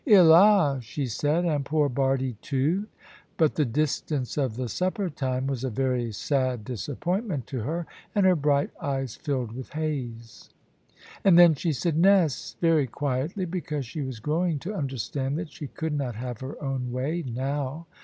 "'Ill 'a," she said; "and poor Bardie too?" But the distance of the supper time was a very sad disappointment to her, and her bright eyes filled with haze. And then she said "Ness" very quietly, because she was growing to understand that she could not have her own way now.